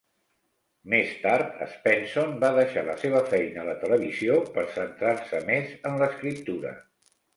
Més tard, Espenson va deixar la seva feina a la televisió per centrar-se més en l'escriptura.